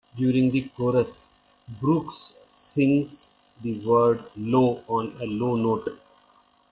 During the chorus, Brooks sings the word "low" on a low note.